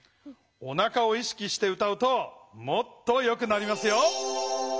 おなかを意識して歌うともっとよくなりますよ。